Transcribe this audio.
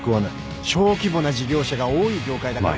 小規模な事業者が多い業界だからこそ。